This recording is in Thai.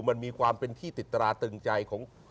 มันมีความเป็นที่ติดตราตึงใจของ